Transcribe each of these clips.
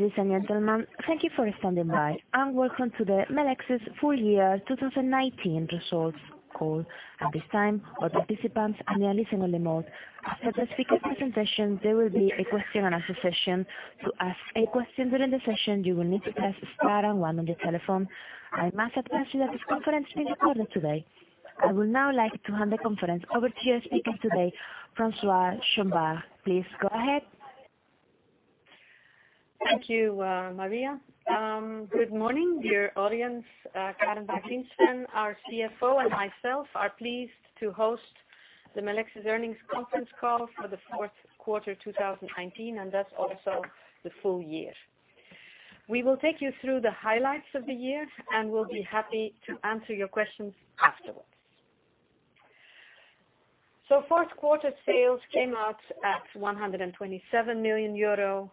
Ladies and gentlemen, thank you for standing by, and welcome to the Melexis Full Year 2019 Results Call. At this time, all participants are in a listen-only mode. After the speaker presentation, there will be a question-and-answer session. To ask a question during the session, you will need to press star and one on your telephone. I must advise you that this conference is recorded today. I would now like to hand the conference over to your speaker today, Françoise Chombar. Please go ahead. Thank you, Maria. Good morning, dear audience. Karen van Griensven, our CFO, and myself are pleased to host the Melexis earnings conference call for the fourth quarter of 2019, and thus also the full year. We will take you through the highlights of the year, and we will be happy to answer your questions afterwards. Fourth quarter sales came out at 127 million euro,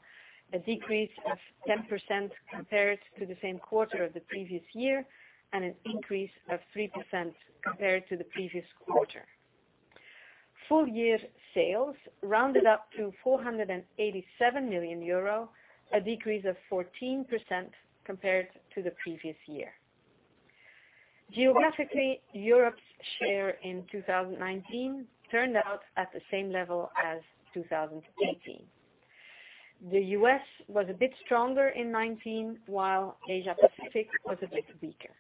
a decrease of 10% compared to the same quarter of the previous year, and an increase of 3% compared to the previous quarter. Full-year sales rounded up to 487 million euro, a decrease of 14% compared to the previous year. Geographically, Europe's share in 2019 turned out at the same level as 2018. The U.S. was a bit stronger in 2019, while Asia-Pacific was a bit weaker.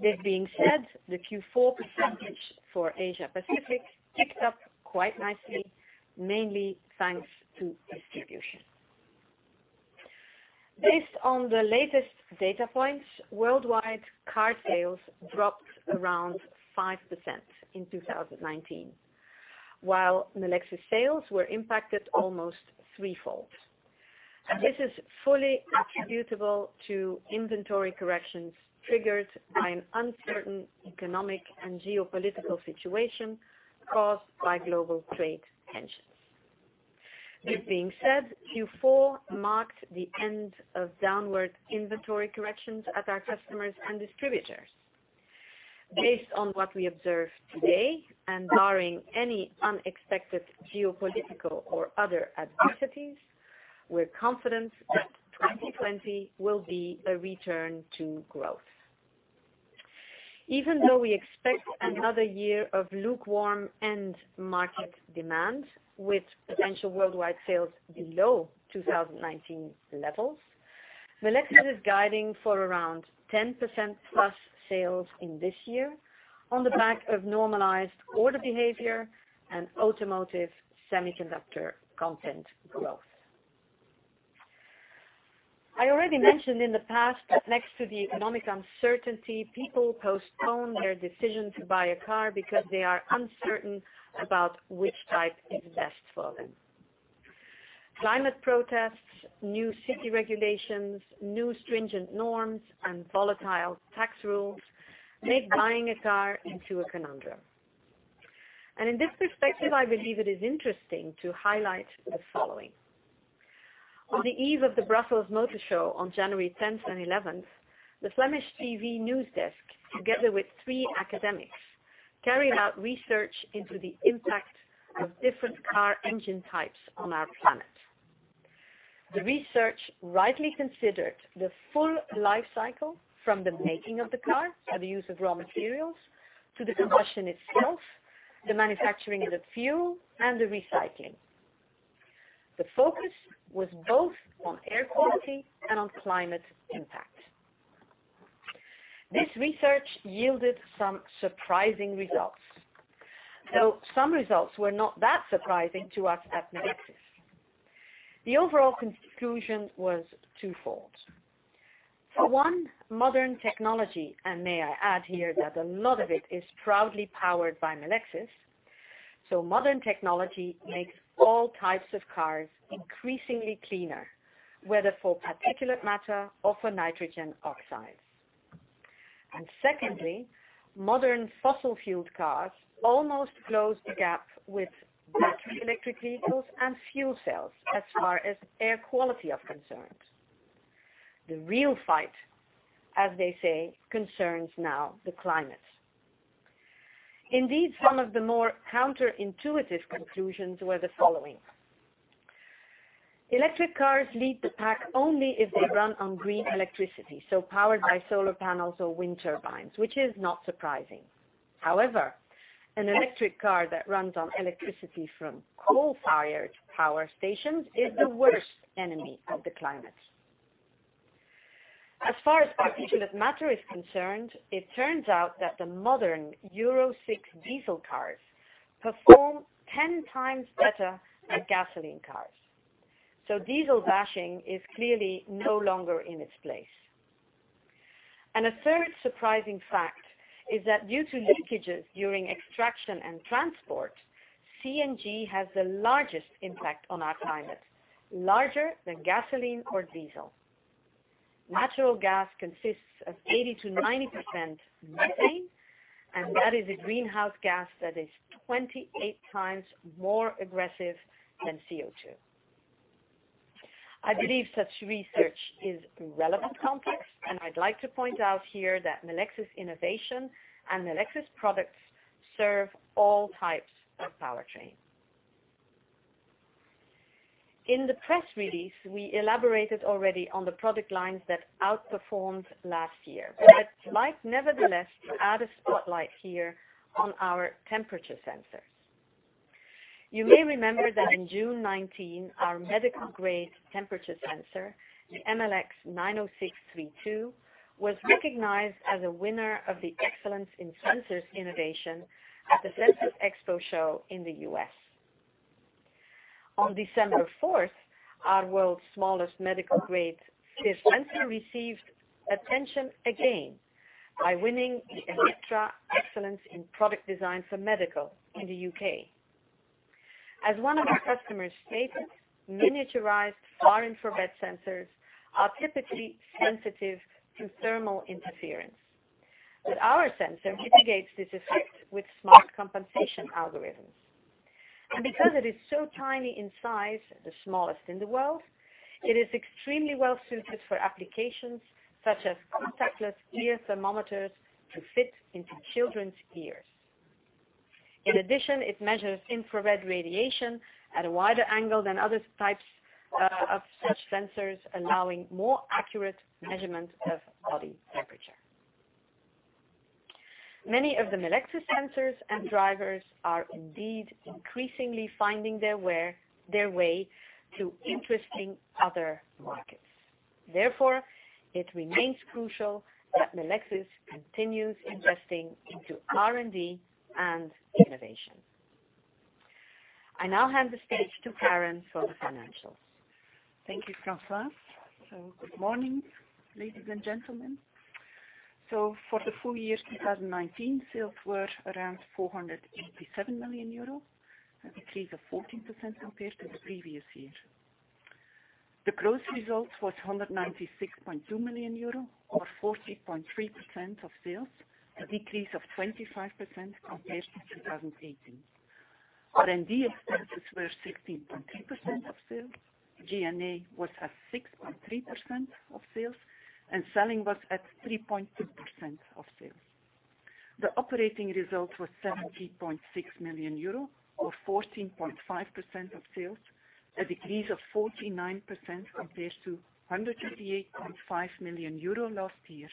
This being said, the Q4 percentage for Asia-Pacific picked up quite nicely, mainly thanks to distribution. Based on the latest data points, worldwide car sales dropped around 5% in 2019, while Melexis sales were impacted almost threefold. This is fully attributable to inventory corrections triggered by an uncertain economic and geopolitical situation caused by global trade tensions. This being said, Q4 marked the end of downward inventory corrections at our customers and distributors. Based on what we observe today and barring any unexpected geopolitical or other adversities, we're confident that 2020 will be a return to growth. Even though we expect another year of lukewarm end market demand with potential worldwide sales below 2019 levels, Melexis is guiding for around 10% plus sales in this year on the back of normalized order behaviour and automotive semiconductor content growth. I already mentioned in the past that next to the economic uncertainty, people postpone their decision to buy a car because they are uncertain about which type is best for them. Climate protests, new city regulations, new stringent norms, and volatile tax rules make buying a car into a conundrum. In this perspective, I believe it is interesting to highlight the following. On the eve of the Brussels Motor Show on January 10th and 11th, the Flemish TV news desk, together with three academics, carried out research into the impact of different car engine types on our planet. The research rightly considered the full life cycle from the making of the car, the use of raw materials to the combustion itself, the manufacturing of the fuel, and the recycling. The focus was both on air quality and on climate impact. This research yielded some surprising results. Though some results were not that surprising to us at Melexis. The overall conclusion was twofold. One, modern technology, and may I add here that a lot of it is proudly powered by Melexis, so modern technology makes all types of cars increasingly cleaner, whether for particulate matter or for nitrogen oxides. Secondly, modern fossil-fueled cars almost close the gap with battery electric vehicles and fuel cells as far as air quality are concerned. The real fight, as they say, concerns now the climate. Indeed, some of the more counterintuitive conclusions were the following. Electric cars lead the pack only if they run on green electricity, so powered by solar panels or wind turbines, which is not surprising. However, an electric car that runs on electricity from coal-fired power stations is the worst enemy of the climate. As far as particulate matter is concerned, it turns out that the modern Euro 6 diesel cars perform 10x better than gasoline cars. Diesel bashing is clearly no longer in its place. A third surprising fact is that due to leakages during extraction and transport, CNG has the largest impact on our climate, larger than gasoline or diesel. Natural gas consists of 80% to 90% methane, and that is a greenhouse gas that is 28 times more aggressive than CO2. I believe such research is relevant context, and I'd like to point out here that Melexis innovation and Melexis products serve all types of powertrain. In the press release, we elaborated already on the product lines that outperformed last year. I'd like, nevertheless, to add a spotlight here on our temperature sensors. You may remember that in June 2019, our medical grade temperature sensor, the MLX90632, was recognized as a winner of the Excellence in Sensors Innovation at the Sensors Expo Show in the U.S. On December 4th, our world's smallest medical grade sensor received attention again by winning the Elektra Excellence in Product Design for Medical in the U.K. As one of our customers stated, miniaturized far-infrared sensors are typically sensitive to thermal interference. Our sensor mitigates this effect with smart compensation algorithms. Because it is so tiny in size, the smallest in the world, it is extremely well-suited for applications such as contactless ear thermometers to fit into children's ears. In addition, it measures infrared radiation at a wider angle than other types of such sensors, allowing more accurate measurement of body temperature. Many of the Melexis sensors and drivers are indeed increasingly finding their way to interesting other markets. Therefore, it remains crucial that Melexis continues investing into R&D and innovation. I now hand the stage to Karen for the financials. Thank you, Françoise. Good morning, ladies and gentlemen. For the full year 2019, sales were around 487 million euro, a decrease of 14% compared to the previous year. The gross result was 196.2 million euro or 14.3% of sales, a decrease of 25% compared to 2018. R&D expenses were 16.3% of sales. G&A was at 6.3% of sales, and selling was at 3.2% of sales. The operating result was 70.6 million euro or 14.5% of sales, a decrease of 49% compared to 128.5 million euro last year.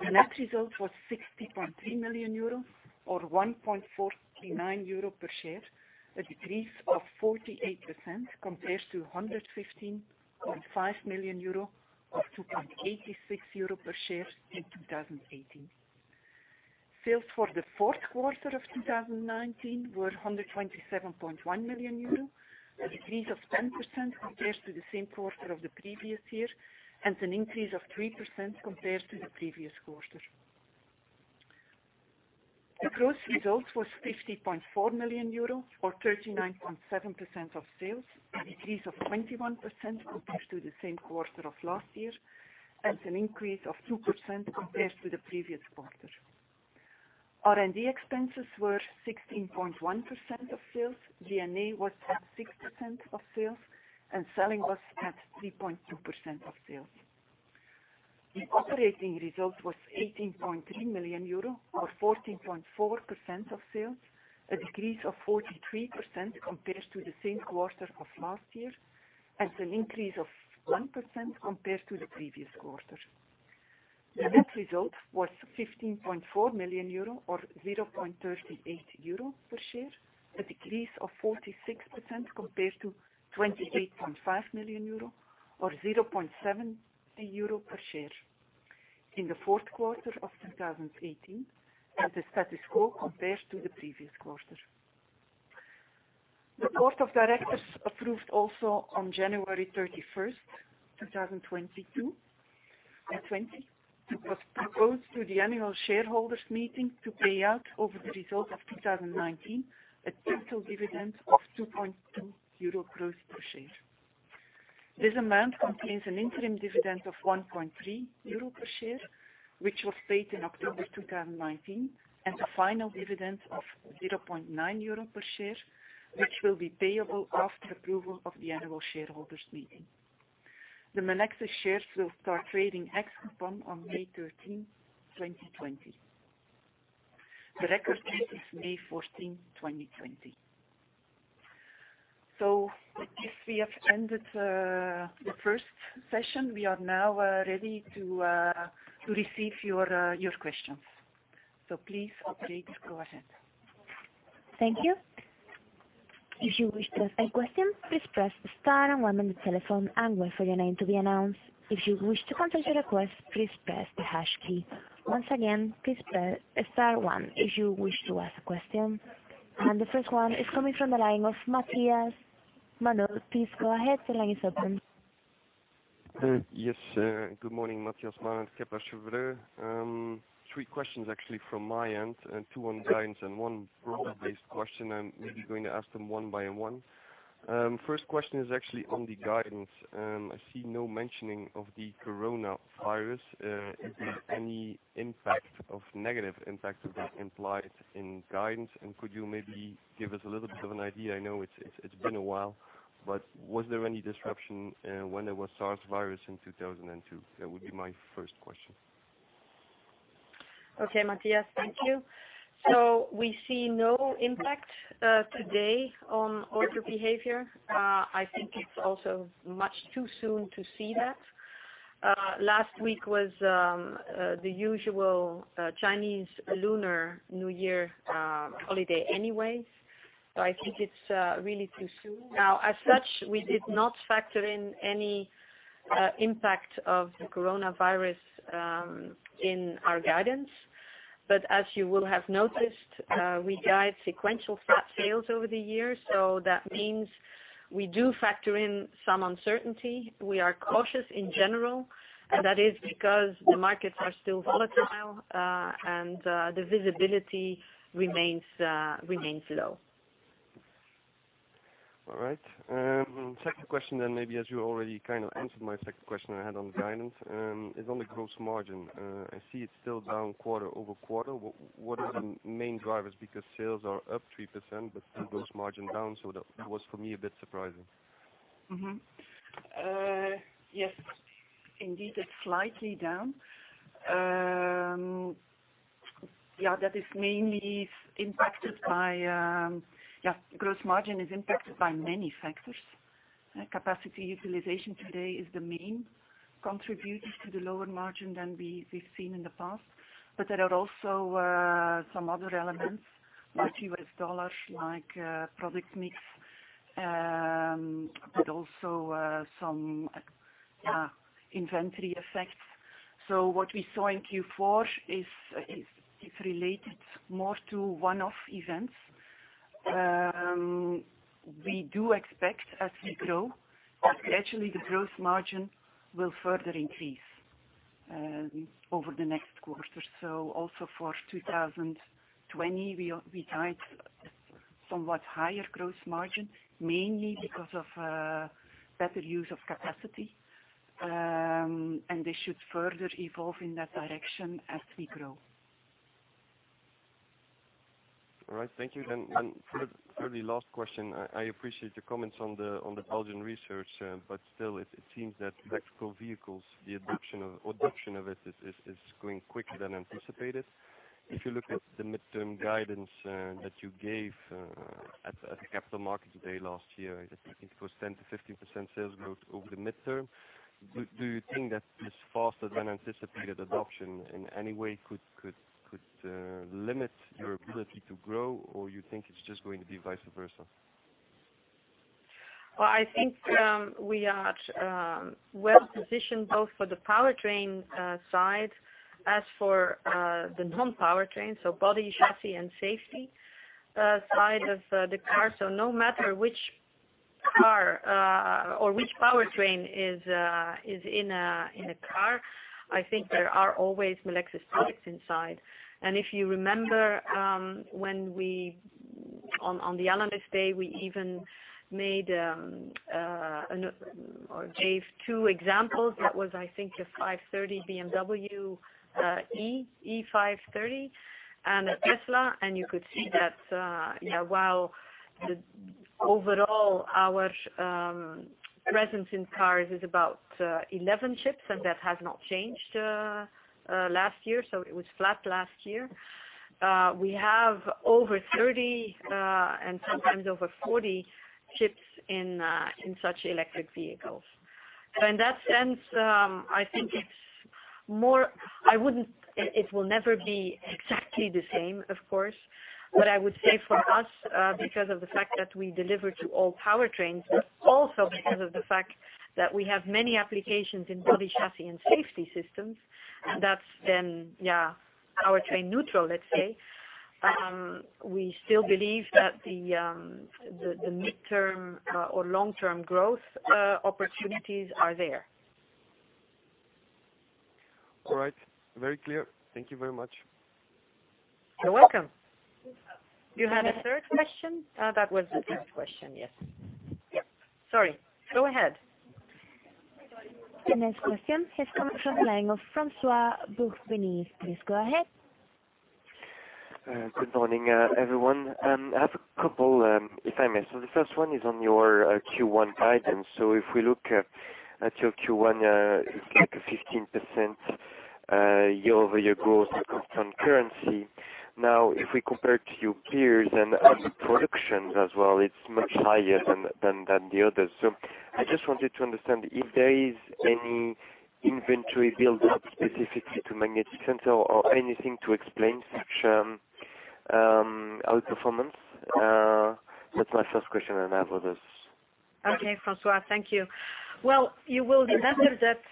The net result was 60.3 million euro or 1.49 euro per share, a decrease of 48% compared to 115.5 million euro or 2.86 euro per share in 2018. Sales for the fourth quarter of 2019 were 127.1 million euro, a decrease of 10% compared to the same quarter of the previous year, and an increase of 3% compared to the previous quarter. The gross result was 50.4 million euro or 39.7% of sales, a decrease of 21% compared to the same quarter of last year, and an increase of 2% compared to the previous quarter. R&D expenses were 16.1% of sales. G&A was at 6% of sales, and selling was at 3.2% of sales. The operating result was 18.3 million euro or 14.4% of sales, a decrease of 43% compared to the same quarter of last year, and an increase of 1% compared to the previous quarter. The net result was 15.4 million euro or 0.38 euro per share, a decrease of 46% compared to 28.5 million euro or 0.7 euro per share in the fourth quarter of 2018, and the status quo compared to the previous quarter. The board of directors approved also on January 31, 2020, to propose to the annual shareholders meeting to pay out over the results of 2019 a total dividend of 2.20 euro gross per share. This amount contains an interim dividend of 1.3 euro per share, which was paid in October 2019, and a final dividend of 0.9 euro per share, which will be payable after approval of the annual shareholders meeting. The Melexis shares will start trading ex-coupon on May 13, 2020. The record date is May 14, 2020. I guess we have ended the first session. We are now ready to receive your questions. Please operate as per usual. Thank you. If you wish to ask a question, please press star and one on the telephone and wait for your name to be announced. If you wish to cancel your request, please press the hash key. Once again, please press star one if you wish to ask a question. The first one is coming from the line of Matthias Maenhaut. Please go ahead. The line is open. Yes. Good morning. Matthias Maenhaut, Kepler Cheuvreux. Three questions actually from my end, two on guidance and one product-based question, and maybe going to ask them one by one. First question is actually on the guidance. I see no mentioning of the coronavirus. Is there any negative impact of that implied in guidance? Could you maybe give us a little bit of an idea? I know it's been a while, but was there any disruption when there was SARS virus in 2002? That would be my first question. Okay, Matthias, thank you. We see no impact today on order behaviour. I think it's also much too soon to see that. Last week was the usual Chinese Lunar New Year holiday anyway, so I think it's really too soon. As such, we did not factor in any impact of the coronavirus in our guidance. As you will have noticed, we guide sequential flat sales over the years. That means we do factor in some uncertainty. We are cautious in general, and that is because the markets are still volatile and the visibility remains low. All right. Second question, maybe as you already kind of answered my second question I had on the guidance, is on the gross margin. I see it's still down quarter-over-quarter. What are the main drivers? Sales are up 3%, but the gross margin down, so that was, for me, a bit surprising. Yes, indeed, it's slightly down. Gross margin is impacted by many factors. Capacity utilization today is the main contributor to the lower margin than we've seen in the past. There are also some other elements like US dollar, like product mix, but also some inventory effects. What we saw in Q4 is related more to one-off events. We do expect as we grow, actually the gross margin will further increase over the next quarter or so. Also for 2020, we guide somewhat higher gross margin, mainly because of better use of capacity. This should further evolve in that direction as we grow. All right, thank you. For the very last question, I appreciate your comments on the Belgian research, but still it seems that electrical vehicles, the adoption of it is going quicker than anticipated. If you look at the midterm guidance that you gave at the Capital Markets Day last year, I think it was 10%-15% sales growth over the midterm. Do you think that this faster than anticipated adoption in any way could limit your ability to grow? Or you think it's just going to be vice versa? I think we are well-positioned both for the powertrain side as for the non-powertrain, so body, chassis, and safety side of the car. No matter which car or which powertrain is in a car, I think there are always Melexis products inside. If you remember, on the Analyst Day, we even gave two examples. That was, I think, a 530 BMW 530e and a Tesla. You could see that while the overall, our presence in cars is about 11 chips, that has not changed last year, it was flat last year. We have over 30 and sometimes over 40 chips in such electric vehicles. In that sense, it will never be exactly the same, of course. I would say for us, because of the fact that we deliver to all powertrains, but also because of the fact that we have many applications in body chassis and safety systems, and that's then powertrain neutral, let's say. We still believe that the midterm or long-term growth opportunities are there. All right. Very clear. Thank you very much. You're welcome. You had a third question? That was the third question, yes. Sorry. Go ahead. The next question is coming from the line of Francois Bouvignies. Please go ahead. Good morning, everyone. I have a couple, if I may. The first one is on your Q1 guidance. If we look at your Q1, it's a 15% year-over-year growth at constant currency. Now, if we compare to your peers and other productions as well, it's much higher than the others. I just wanted to understand if there is any inventory buildup specifically to magnetic sensor or anything to explain such outperformance. That's my first question, and I have others. Okay, François, thank you. Well, you will remember that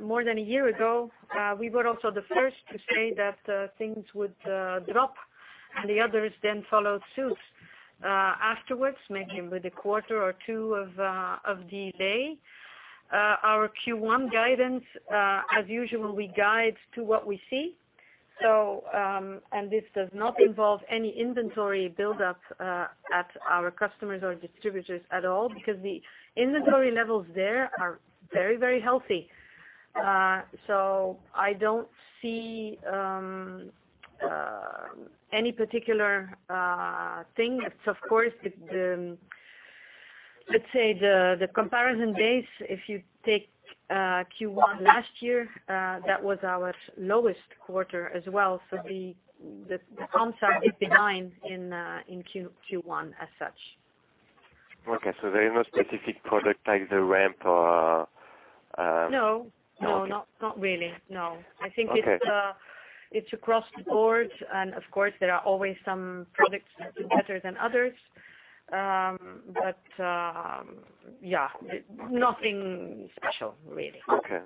more than one year ago, we were also the first to say that things would drop and the others then followed suit afterwards, maybe with a quarter or two of delay. Our Q1 guidance, as usual, we guide to what we see. This does not involve any inventory buildup at our customers or distributors at all because the inventory levels there are very healthy. I don't see. Any particular thing. It's of course, let's say the comparison base, if you take Q1 last year, that was our lowest quarter as well. The outcome is behind in Q1 as such. Okay. There is no specific product like the ramp. No, not really, no. Okay. I think it's across the board. Of course, there are always some products that do better than others. Yeah, nothing special really. Okay.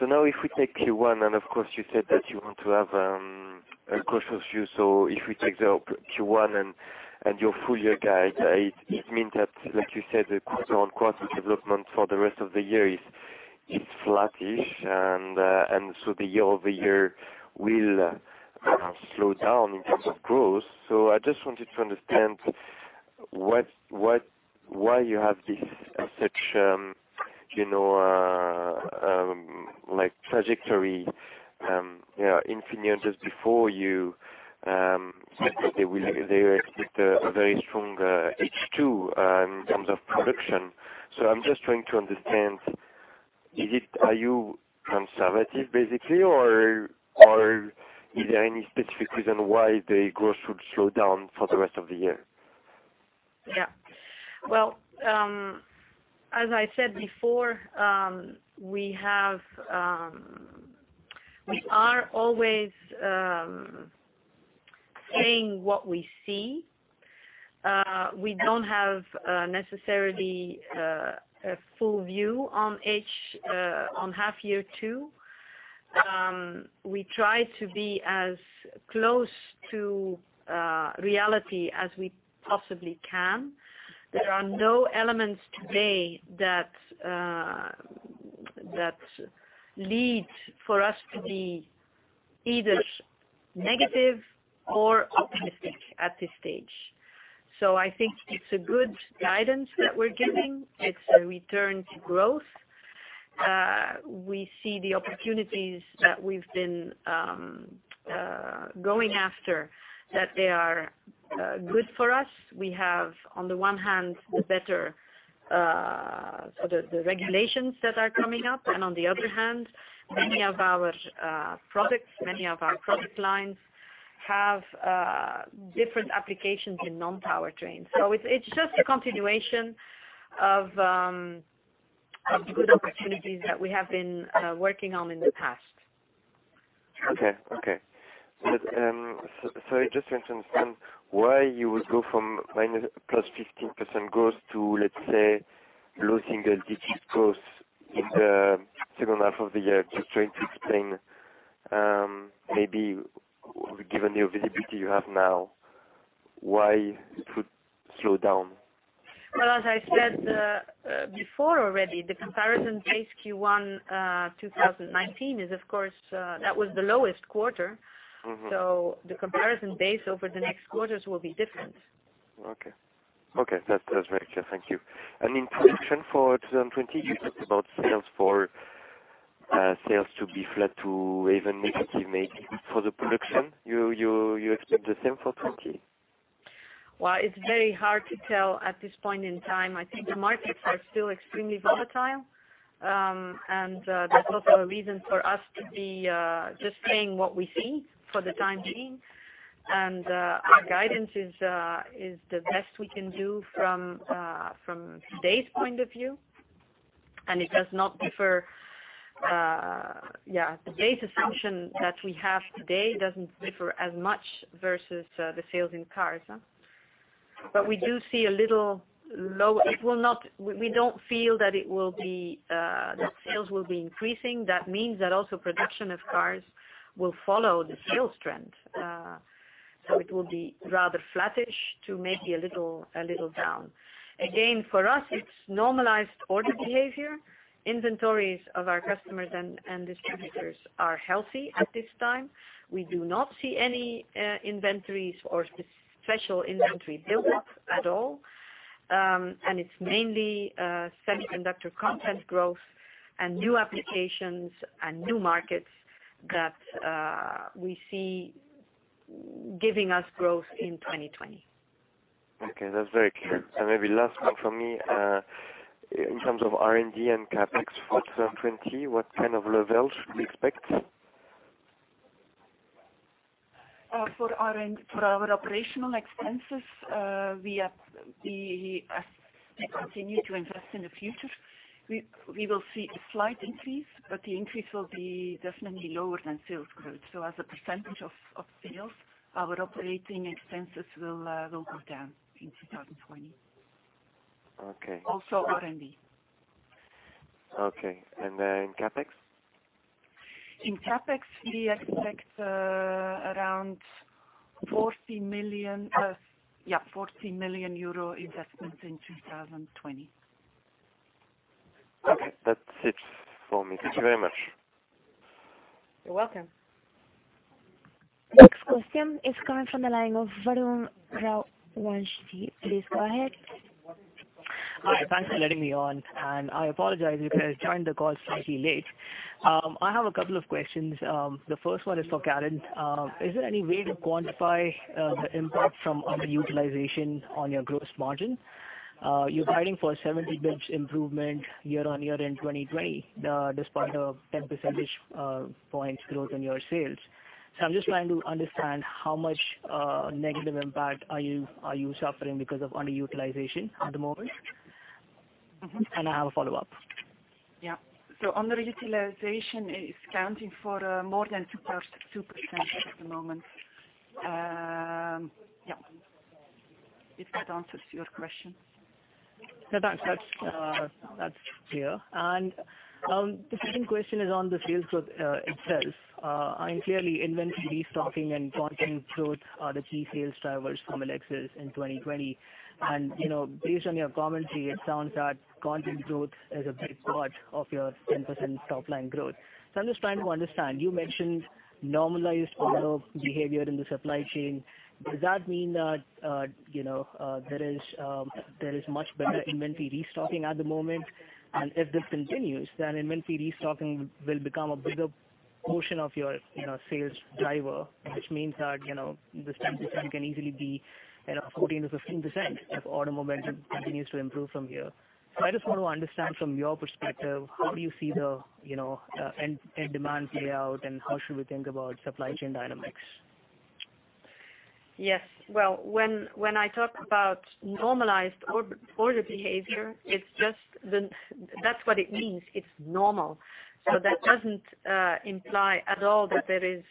If we take Q1, of course you said that you want to have a cautious view. If we take the Q1 and your full year guide, it means that like you said, the quarter-over-quarter development for the rest of the year is flattish. The year-over-year will slow down in terms of growth. I just wanted to understand why you have this as such trajectory. Infineon just before you said that they will expect a very strong H2 in terms of production. I'm just trying to understand, are you conservative basically, or is there any specific reason why the growth should slow down for the rest of the year? Yeah. Well, as I said before, we are always saying what we see. We don't have necessarily a full view on half year 2. We try to be as close to reality as we possibly can. There are no elements today that lead for us to be either negative or optimistic at this stage. I think it's a good guidance that we're giving. It's a return to growth. We see the opportunities that we've been going after that they are good for us. We have, on the one hand, the better, the regulations that are coming up, and on the other hand, many of our products, many of our product lines have different applications in non-powertrain. It's just a continuation of good opportunities that we have been working on in the past. Okay. Sorry, just to understand why you would go from plus 15% growth to, let's say, low single-digit growth in the second half of the year. Just trying to explain, maybe given the visibility you have now, why it would slow down. Well, as I said before already, the comparison base Q1 2019 is, of course, that was the lowest quarter. The comparison base over the next quarters will be different. Okay. That's very clear. Thank you. In production for 2020, you talked about sales to be flat to even negative maybe. For the production, you expect the same for 2020? Well, it's very hard to tell at this point in time. I think the markets are still extremely volatile. That's also a reason for us to be just saying what we see for the time being. Our guidance is the best we can do from today's point of view. The base assumption that we have today doesn't differ as much versus the sales in cars. We do see a little low. We don't feel that sales will be increasing. That means that also production of cars will follow the sales trend. It will be rather flattish to maybe a little down. Again, for us, it's normalized order behaviour. Inventories of our customers and distributors are healthy at this time. We do not see any inventories or special inventory buildup at all. It's mainly semiconductor content growth and new applications and new markets that we see giving us growth in 2020. Okay. That's very clear. Maybe last one from me. In terms of R&D and CapEx for 2020, what kind of level should we expect? For our operational expenses, we continue to invest in the future. We will see a slight increase, but the increase will be definitely lower than sales growth. As a percentage of sales, our operating expenses will go down in 2020. Okay. Also R&D. Okay. CapEx? In CapEx, we expect around 40 million investments in 2020. Okay. That's it for me. Thank you very much. You're welcome. Next question is coming from the line of Varun Rawal. Please go ahead. Hi, thanks for letting me on, and I apologize because I joined the call slightly late. I have a couple of questions. The first one is for Karen. Is there any way to quantify the impact from underutilization on your gross margin? You're guiding for a 70 bits improvement year-over-year in 2020, despite a 10 percentage points growth in your sales. I'm just trying to understand how much negative impact are you suffering because of underutilization at the moment. I have a follow-up. Yeah. Underutilization is accounting for more than 2% at the moment. Yeah. If that answers your question. No, that's clear. The second question is on the sales growth itself. Clearly, inventory restocking and content growth are the key sales drivers for Melexis in 2020. Based on your commentary, it sounds that content growth is a big part of your 10% top-line growth. I'm just trying to understand. You mentioned normalized order behaviour in the supply chain. Does that mean that there is much better inventory restocking at the moment? If this continues, then inventory restocking will become a bigger portion of your sales driver, which means that this 10% can easily be 14%-15% if order momentum continues to improve from here. I just want to understand from your perspective, how do you see the end demand play out and how should we think about supply chain dynamics? Yes. Well, when I talk about normalized order behaviour, that's what it means. It's normal. That doesn't imply at all that there is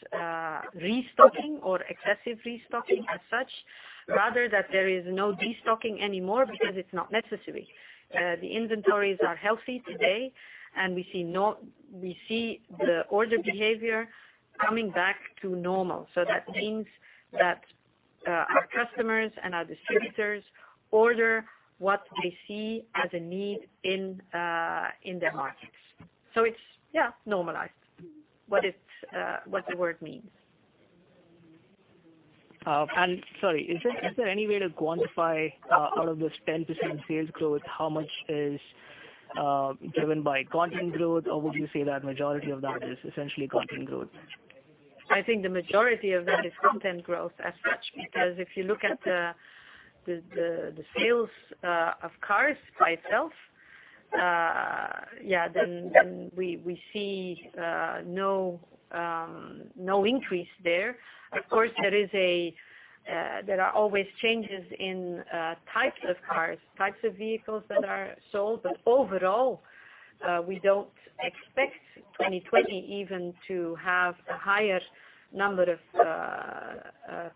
restocking or excessive restocking as such, rather that there is no destocking anymore because it's not necessary. The inventories are healthy today, and we see the order behaviour coming back to normal. That means that our customers and our distributors order what they see as a need in their markets. It's, yeah, normalized. What the word means. Sorry, is there any way to quantify out of this 10% sales growth, how much is driven by content growth, or would you say that majority of that is essentially content growth? I think the majority of that is content growth as such because if you look at the sales of cars by itself, yeah, then we see no increase there. Of course, there are always changes in types of cars, types of vehicles that are sold. Overall, we don't expect 2020 even to have a higher number of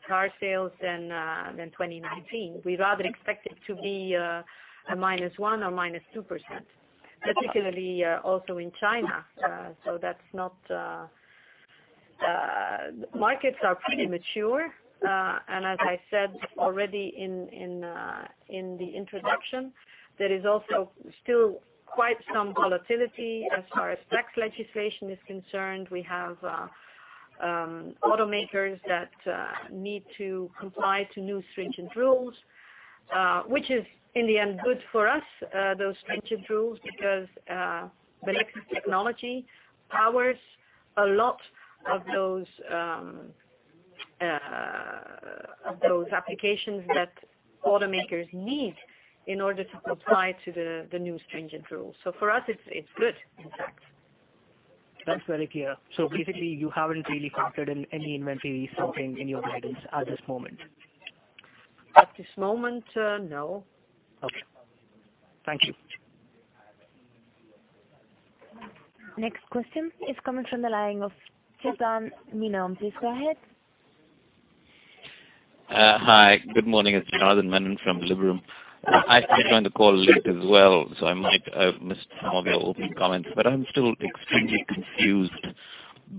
car sales than 2019. We rather expect it to be a minus one or minus 2%, particularly also in China. Markets are pretty mature. As I said already in the introduction, there is also still quite some volatility as far as tax legislation is concerned. We have automakers that need to comply to new stringent rules, which is in the end good for us, those stringent rules, because Melexis technology powers a lot of those applications that automakers need in order to comply to the new stringent rules. For us, it's good, in fact. That's very clear. Basically, you haven't really factored in any inventory restocking in your guidance at this moment. At this moment, no. Okay. Thank you. Next question is coming from the line of Janardan Menon. Please go ahead. Hi, good morning. It's Janardan Menon from Liberum. I joined the call late as well, I might have missed some of your opening comments. I'm still extremely confused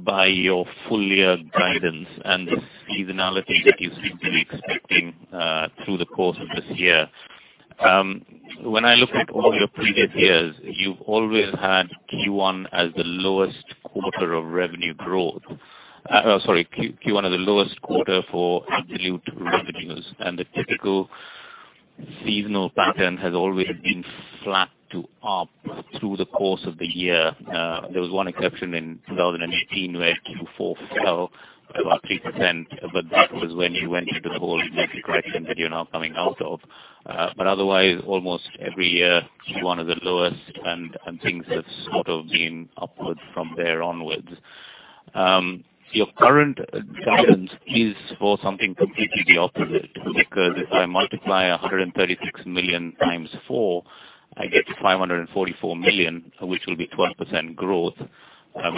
by your full-year guidance and the seasonality that you seem to be expecting through the course of this year. When I look at all your previous years, you've always had Q1 as the lowest quarter of revenue growth. Sorry, Q1 are the lowest quarter for absolute revenues, and the typical seasonal pattern has always been flat to up through the course of the year. There was one exception in 2018 where Q4 fell by about 3%, but that was when you went through the whole market correction that you're now coming out of. Otherwise, almost every year, Q1 are the lowest and things have sort of been upward from there onwards. Your current guidance is for something completely the opposite because if I multiply 136 million times 4, I get to 544 million, which will be 12% growth.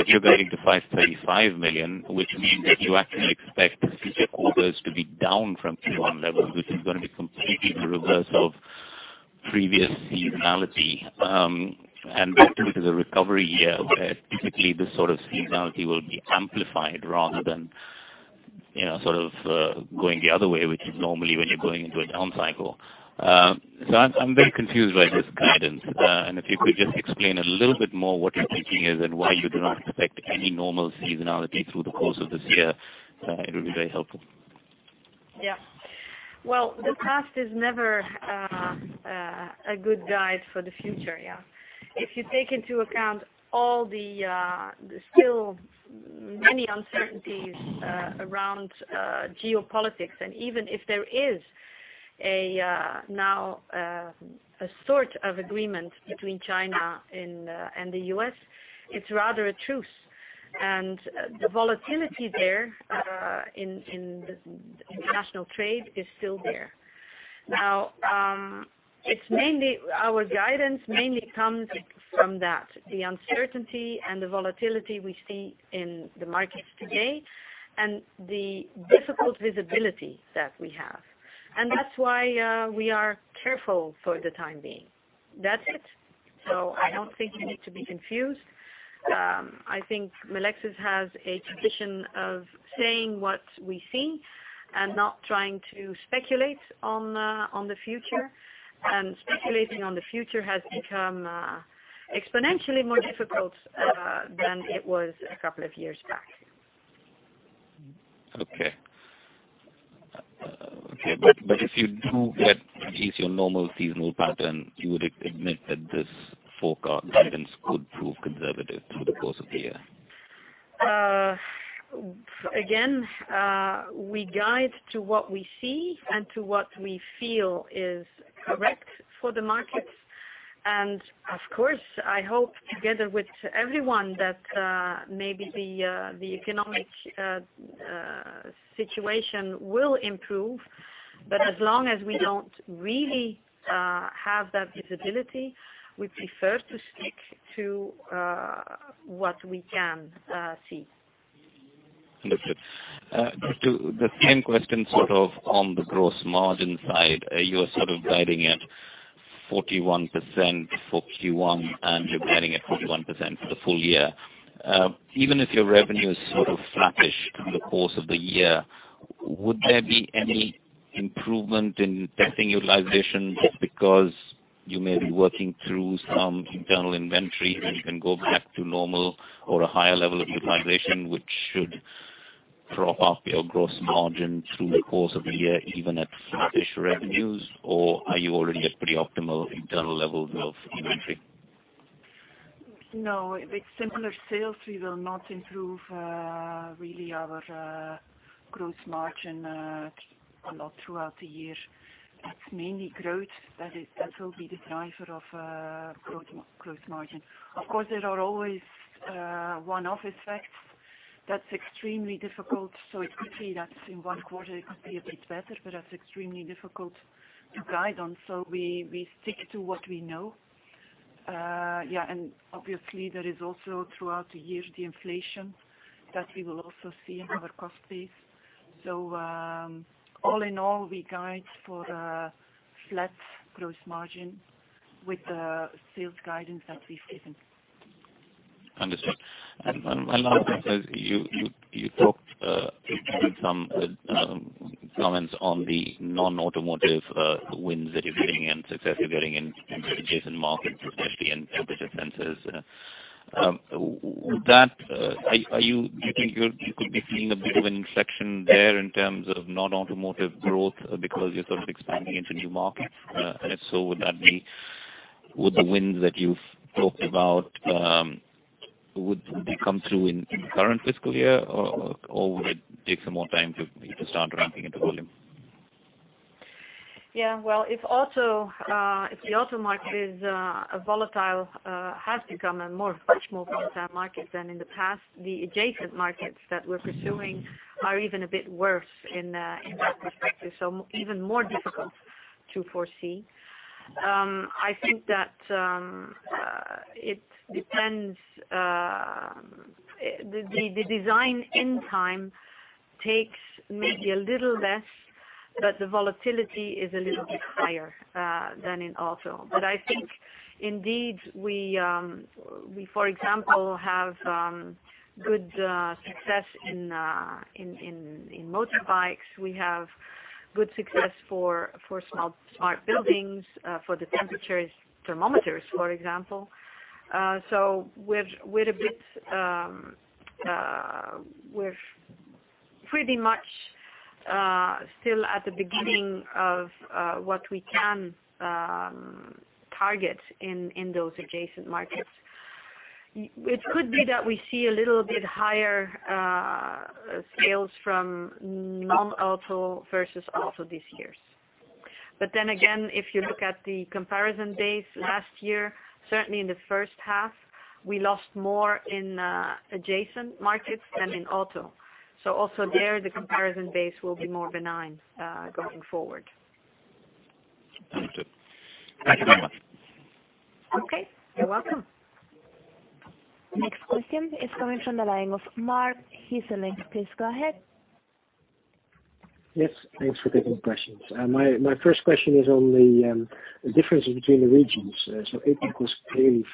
You're guiding to 535 million, which means that you actually expect future quarters to be down from Q1 levels, which is going to be completely the reverse of previous seasonality. Welcome to the recovery year where typically this sort of seasonality will be amplified rather than going the other way, which is normally when you're going into a down cycle. I'm very confused by this guidance. If you could just explain a little bit more what your thinking is and why you do not expect any normal seasonality through the course of this year, it would be very helpful. Well, the past is never a good guide for the future. If you take into account all the still many uncertainties around geopolitics, even if there is now a sort of agreement between China and the U.S., it's rather a truce. The volatility there in international trade is still there. Now, our guidance mainly comes from that, the uncertainty and the volatility we see in the markets today and the difficult visibility that we have. That's why we are careful for the time being. That's it. I don't think you need to be confused. I think Melexis has a tradition of saying what we see and not trying to speculate on the future, speculating on the future has become exponentially more difficult than it was a couple of years back. Okay. If you do get your normal seasonal pattern, you would admit that this forecast guidance could prove conservative through the course of the year. Again, we guide to what we see and to what we feel is correct for the markets. Of course, I hope together with everyone that maybe the economic situation will improve. As long as we don't really have that visibility, we prefer to stick to what we can see. Understood. Just the same question sort of on the gross margin side. You're sort of guiding at 41% for Q1, and you're guiding at 41% for the full year. Even if your revenue is sort of flattish through the course of the year, would there be any improvement in testing utilization just because you may be working through some internal inventory and you can go back to normal or a higher level of utilization, which should prop up your gross margin through the course of the year, even at flattish revenues? Or are you already at pretty optimal internal levels of inventory? With simpler sales, we will not improve really our gross margin a lot throughout the year. It's mainly growth that will be the driver of gross margin. Of course, there are always one-off effects that's extremely difficult. It could be that in one quarter it could be a bit better, that's extremely difficult to guide on. We stick to what we know. Yeah, obviously there is also, throughout the year, the inflation that we will also see in our cost base. All in all, we guide for a flat gross margin with the sales guidance that we've given. Understood. Françoise, you talked, there were some comments on the non-automotive wins that you're getting and success you're getting in adjacent markets, especially in temperature sensors. Do you think you could be seeing a bit of inflection there in terms of non-automotive growth because you're sort of expanding into new markets? If so, would the wins that you've talked about, would they come through in the current fiscal year, or would it take some more time to start ramping into volume? Well, if the auto market has become a much more volatile market than in the past, the adjacent markets that we're pursuing are even a bit worse in that perspective, so even more difficult to foresee. I think that it depends. The design end time takes maybe a little less, but the volatility is a little bit higher than in auto. I think indeed, we, for example, have good success in motorbikes. We have good success for smart buildings, for the temperature thermometers, for example. We're pretty much still at the beginning of what we can target in those adjacent markets. It could be that we see a little bit higher sales from non-auto versus auto this year. Then again, if you look at the comparison base last year, certainly in the first half, we lost more in adjacent markets than in auto. Also there, the comparison base will be more benign going forward. Understood. Thank you very much. Okay. You're welcome. Next question is coming from the line of Marc Hesselink. Please go ahead. Yes, thanks for taking the questions. My first question is on the differences between the regions. AP was clearly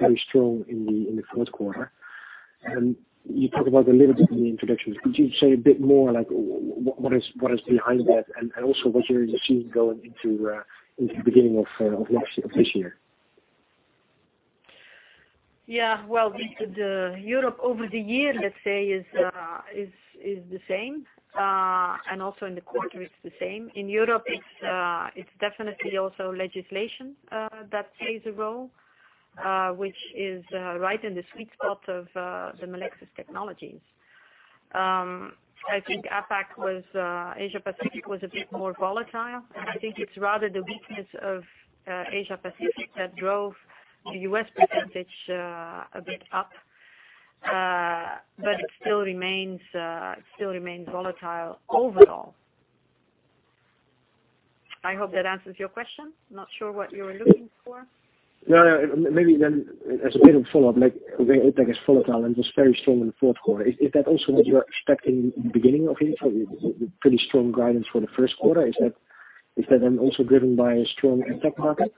very strong in the fourth quarter. You talked about it a little bit in the introduction. Could you say a bit more, like what is behind that and also what you're seeing going into the beginning of this year? Yeah. Well, Europe over the year, let's say, is the same, and also in the quarter it's the same. In Europe, it's definitely also legislation that plays a role, which is right in the sweet spot of the Melexis technologies. I think APAC, Asia Pacific, was a bit more volatile, and I think it's rather the weakness of Asia Pacific that drove the U.S. percentage a bit up. It still remains volatile overall. I hope that answers your question. Not sure what you were looking for. No. Maybe as a bit of a follow-up, where APAC is volatile and was very strong in the fourth quarter, is that also what you are expecting at the beginning of it? Pretty strong guidance for the first quarter, is that then also driven by a strong APAC market?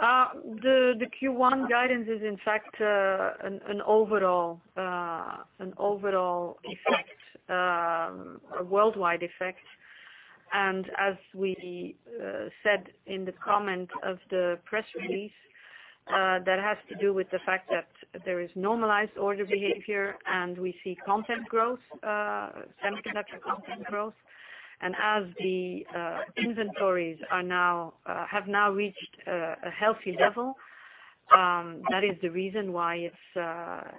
The Q1 guidance is in fact an overall effect, a worldwide effect. As we said in the comment of the press release, that has to do with the fact that there is normalized order behaviour, and we see content growth, semiconductor content growth. As the inventories have now reached a healthy level, that is the reason why it's a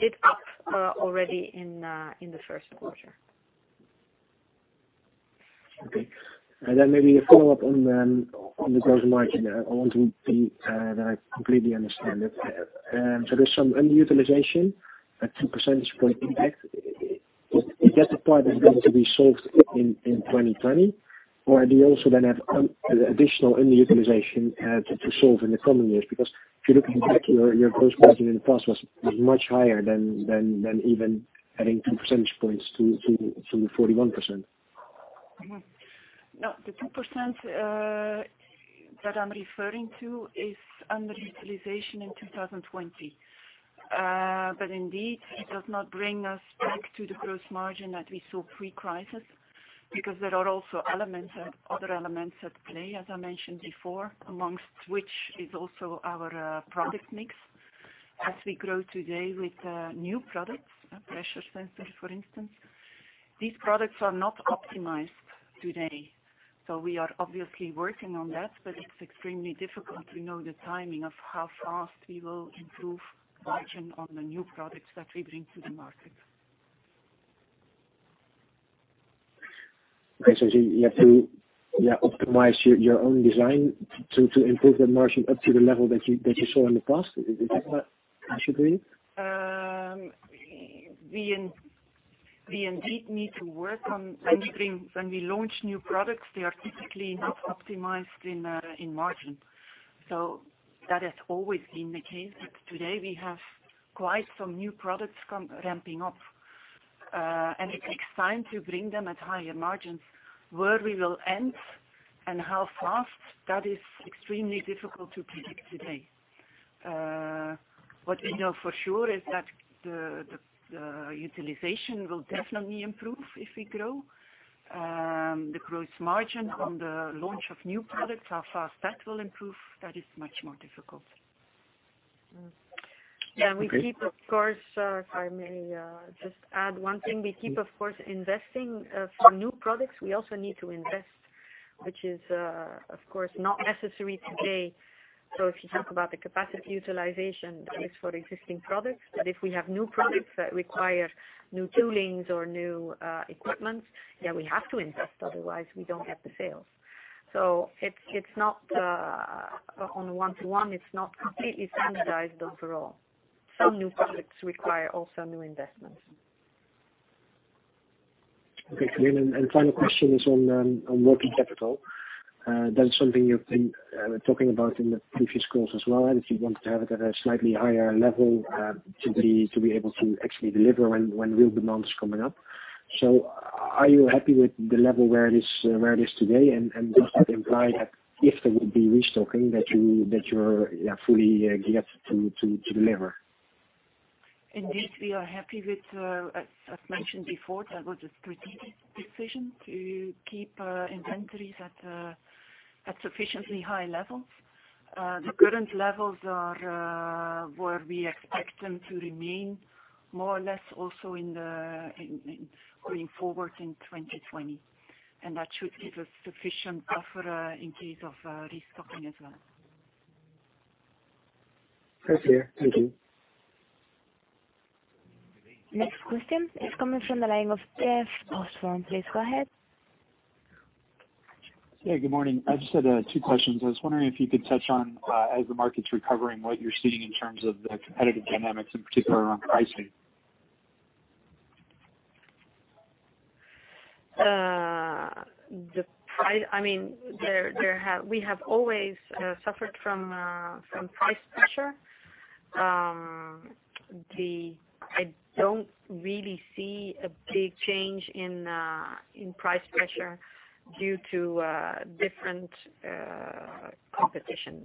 bit up already in the first quarter. Okay. Maybe a follow-up on the gross margin. I want to be sure that I completely understand it. There's some underutilization, a 2 percentage point impact. Is that the part that's going to be solved in 2020? Do you also then have additional underutilization to solve in the coming years? If you look in the back, your gross margin in the past was much higher than even adding 2 percentage points to the 41%. The 2% that I'm referring to is underutilization in 2020. Indeed, it does not bring us back to the gross margin that we saw pre-crisis, because there are also other elements at play, as I mentioned before, amongst which is also our product mix. We grow today with new products, pressure sensors, for instance, these products are not optimized today. We are obviously working on that, but it's extremely difficult to know the timing of how fast we will improve margin on the new products that we bring to the market. Okay. You have to optimize your own design to improve the margin up to the level that you saw in the past. Is that how it should be read? We indeed need to work on when we launch new products, they are typically not optimized in margin. So that has always been the case, but today we have quite some new products ramping up. It takes time to bring them at higher margins. Where we will end and how fast, that is extremely difficult to predict today. What we know for sure is that the utilization will definitely improve if we grow. The gross margin on the launch of new products, how fast that will improve, that is much more difficult. If I may just add one thing. We keep, of course, investing for new products. We also need to invest, which is, of course, not necessary today. If you talk about the capacity utilization, that is for existing products. If we have new products that require new tooling's or new equipment, yeah, we have to invest, otherwise we don't have the sales. On a one to one, it's not completely standardized overall. Some new products require also new investments. Okay. Final question is on working capital. That's something you've been talking about in the previous calls as well, and if you want to have it at a slightly higher level to be able to actually deliver when real demand is coming up. Are you happy with the level where it is today? Does that imply that if there will be restocking, that you're fully geared to deliver? Indeed, we are happy with, as mentioned before, that was a strategic decision to keep inventories at sufficiently high levels. The current levels are where we expect them to remain more or less also going forward in 2020. That should give us sufficient buffer in case of restocking as well. Clear. Thank you. Next question is coming from the line of Jeff Osborne. Please go ahead. Yeah, good morning. I just had two questions. I was wondering if you could touch on, as the market's recovering, what you're seeing in terms of the competitive dynamics, in particular around pricing. We have always suffered from price pressure. I don't really see a big change in price pressure due to different competition.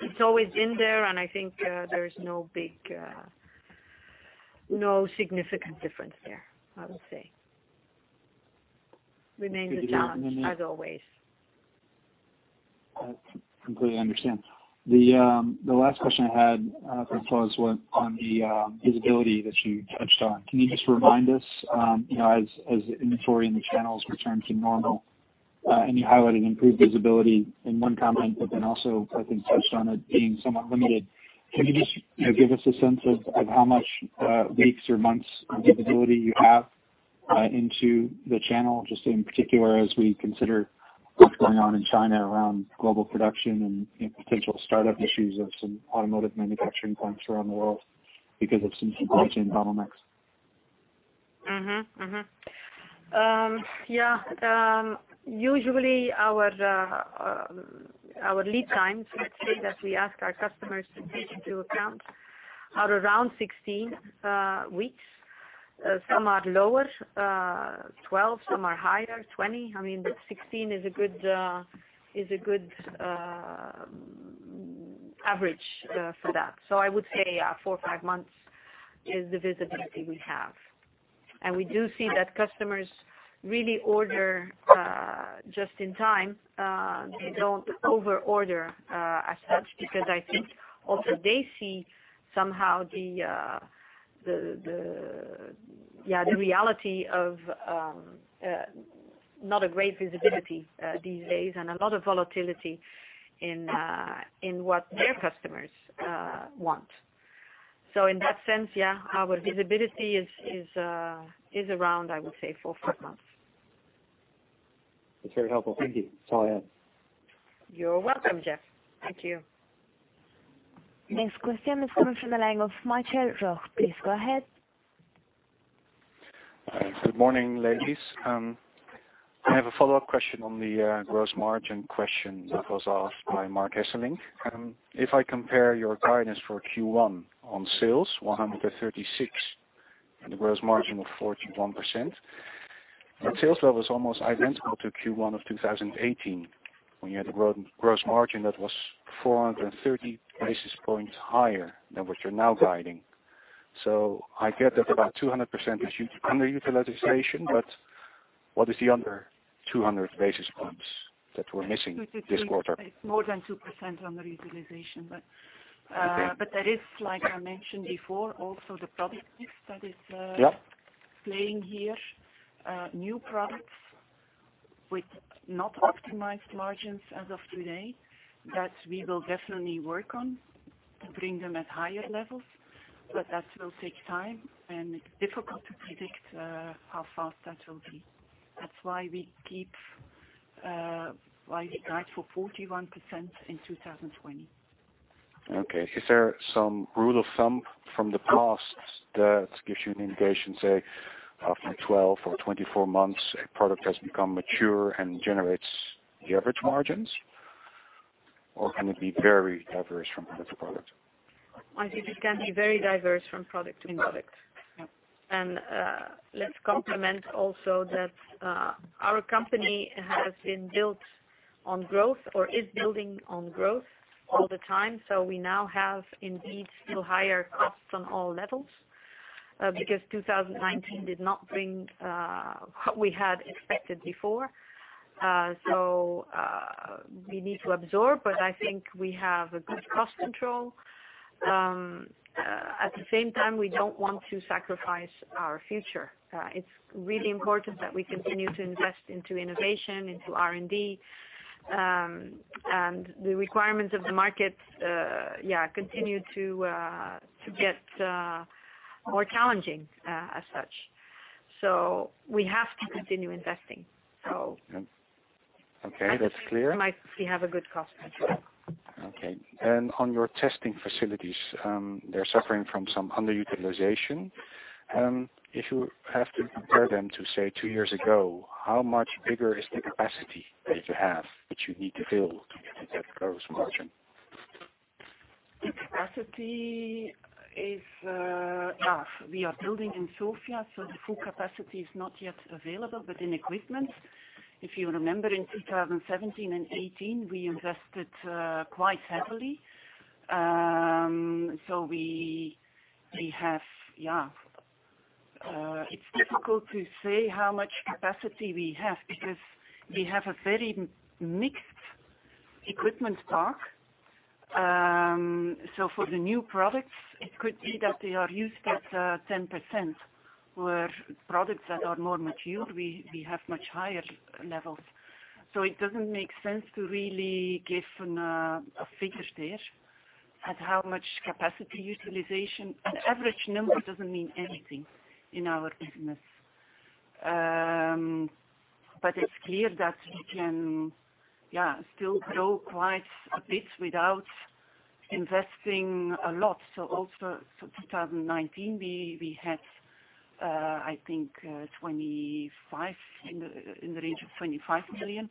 It's always been there, and I think there is no significant difference there, I would say. Remains a challenge, as always. I completely understand. The last question I had for Karen was on the visibility that you touched on. Can you just remind us as inventory in the channels returns to normal, and you highlighted improved visibility in one comment, but then also I think touched on it being somewhat limited. Can you just give us a sense of how much weeks or months of visibility you have into the channel, just in particular as we consider what's going on in China around global production and potential startup issues of some automotive manufacturing plants around the world because of some supply chain bottlenecks. Yeah. Usually our lead times, let's say, that we ask our customers to take into account are around 16 weeks. Some are lower, 12, some are higher, 20. I mean, 16 is a good average for that. I would say four or five months is the visibility we have. We do see that customers really order just in time. They don't over-order as such, because I think also they see somehow the reality of not a great visibility these days and a lot of volatility in what their customers want. In that sense, yeah, our visibility is around, I would say four, five months. That's very helpful. Thank you. That's all I have. You're welcome, Jeff. Thank you. Next question is coming from the line of Michael Roeg. Please go ahead. Good morning, ladies. I have a follow-up question on the gross margin question that was asked by Marc Hesselink. If I compare your guidance for Q1 on sales, 136 and a gross margin of 41%, that sales level is almost identical to Q1 of 2018 when you had a gross margin that was 430 basis points higher than what you're now guiding. I get that about 200% is underutilization, but what is the other 200 basis points that we're missing this quarter? It's more than 2% underutilization. Okay. There is, like I mentioned before, also the product mix. Yeah playing here. New products with not optimized margins as of today, that we will definitely work on to bring them at higher levels, but that will take time and it's difficult to predict how fast that will be. That's why we guide for 41% in 2020. Okay. Is there some rule of thumb from the past that gives you an indication, say, after 12 or 24 months, a product has become mature and generates the average margins, or can it be very diverse from product to product? I think it can be very diverse from product to product. Yeah. Let's complement also that our company has been built on growth or is building on growth all the time. We now have indeed still higher costs on all levels, because 2019 did not bring what we had expected before. We need to absorb, but I think we have a good cost control. At the same time, we don't want to sacrifice our future. It's really important that we continue to invest into innovation, into R&D. The requirements of the market continue to get more challenging as such. We have to continue investing. Okay. That's clear. We have a good cost control. Okay. On your testing facilities, they're suffering from some underutilization. If you have to compare them to, say, two years ago, how much bigger is the capacity that you have that you need to fill to get that gross margin? Capacity We are building in Sofia, the full capacity is not yet available. In equipment, if you remember, in 2017 and 2018, we invested quite heavily. It's difficult to say how much capacity we have because we have a very mixed equipment stock. For the new products, it could be that they are used at 10%, where products that are more mature, we have much higher levels. It doesn't make sense to really give a figure there at how much capacity utilization. An average number doesn't mean anything in our business. It's clear that we can still grow quite a bit without investing a lot. Also, 2019, we had I think in the range of 25 million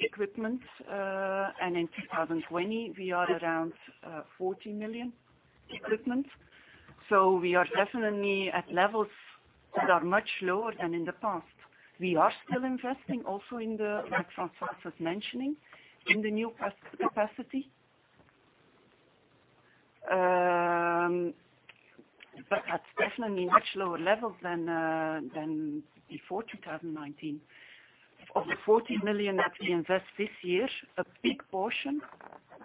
equipment. In 2020, we are around 14 million equipment. We are definitely at levels that are much lower than in the past. We are still investing also in the, like Françoise was mentioning, in the new capacity. At definitely much lower levels than before 2019. Of the 40 million that we invest this year, a big portion,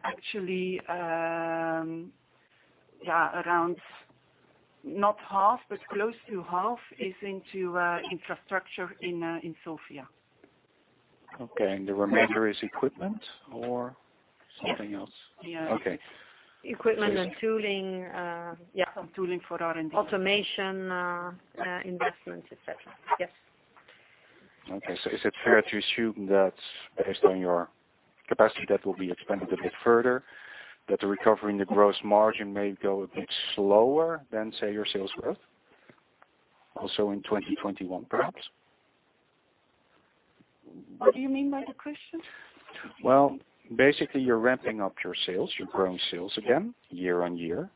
actually around not half, but close to half, is into infrastructure in Sofia. Okay. The remainder is equipment or something else? Yes. Okay. Equipment and tooling. Yeah, some tooling for R&D. Automation investments, et cetera. Yes. Okay. Is it fair to assume that based on your capacity that will be expanded a bit further, that the recovery in the gross margin may go a bit slower than, say, your sales growth also in 2021, perhaps? What do you mean by the question? Well, basically, you're ramping up your sales. You're growing sales again year-on-year.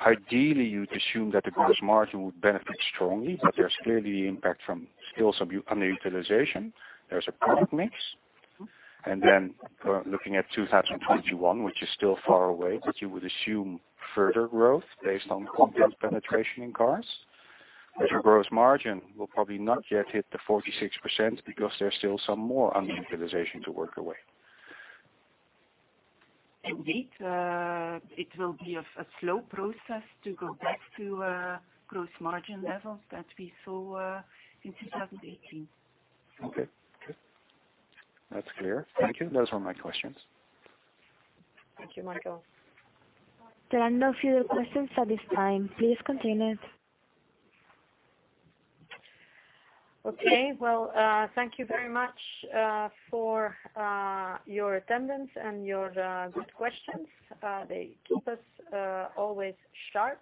Ideally, you'd assume that the gross margin would benefit strongly, but there's clearly impact from skills underutilization. There's a product mix. Then looking at 2021, which is still far away, but you would assume further growth based on content penetration in cars. Your gross margin will probably not yet hit the 46% because there's still some more underutilization to work away. Indeed. It will be a slow process to go back to gross margin levels that we saw in 2018. Okay. Good. That's clear. Thank you. Those were my questions. Thank you, Michael. There are no further questions at this time. Please continue. Okay. Well, thank you very much for your attendance and your good questions. They keep us always sharp.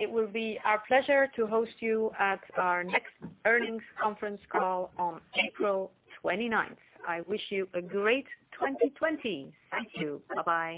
It will be our pleasure to host you at our next earnings conference call on April 29th. I wish you a great 2020. Thank you. Bye-bye.